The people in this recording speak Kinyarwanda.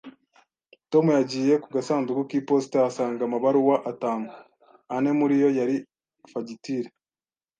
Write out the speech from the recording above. Tom yagiye ku gasanduku k'iposita ahasanga amabaruwa atanu, ane muri yo yari fagitire.